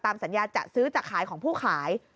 ตามสัญญาจักรซื้อจากขายของผู้ขาย